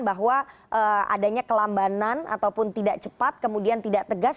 bahwa adanya kelambanan ataupun tidak cepat kemudian tidak tegas